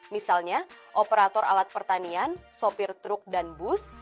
misalnya operator alat pertanian sopir truk dan bus